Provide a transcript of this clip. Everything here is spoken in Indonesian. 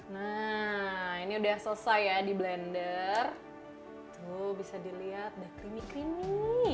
nah ini udah selesai ya di blender tuh bisa dilihat udah creamy creamy